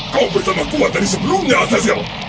kau lebih kuat dari sebelumnya azazel